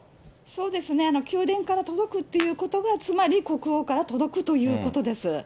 そうですね、宮殿から届くっていうことが、つまり国王から届くということです。